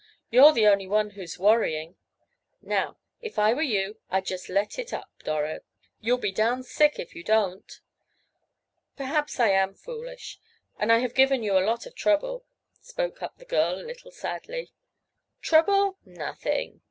You're the only one who's worrying. Now, if I were you, I'd just let up, Doro. You'll be down sick if you don't." "Perhaps I am foolish. And I have given you a lot of trouble," spoke up the girl a little sadly. "Trouble? Nothing!"